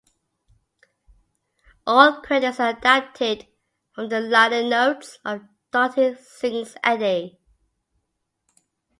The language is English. All credits are adapted from the liner notes of "Dottie Sings Eddy".